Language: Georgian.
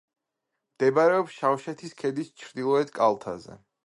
მდებარეობს შავშეთის ქედის ჩრდილოეთ კალთაზე.